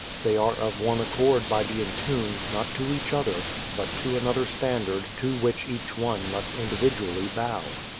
They are of one accord by being tuned, not to each other, but to another standard to which each one must individually bow.